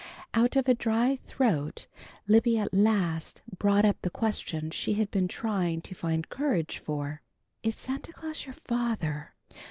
Out of a dry throat Libby at last brought up the question she had been trying to find courage for. "Is Santa Claus your father?"